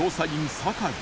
酒井